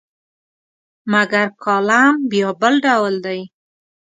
مګر کالم بیا بل ډول دی.